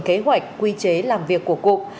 kế hoạch quy chế làm việc của cụm